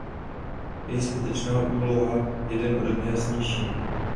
Jejich skutečná úloha je den ode dne jasnější.